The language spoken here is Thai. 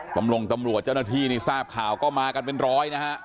ตำรงตำรวจเจ้าหน้าที่ในทราบข่าวก็มากันเป็นร้อยนะครับ